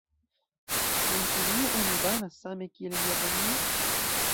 Ĉu en Ĉinio oni banas same kiel en Japanio?